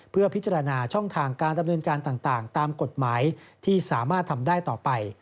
เพื่อพิจารณาช่องทางการดำเนินการต่างตามกฎหมายที่สามารถทำได้ต่อไป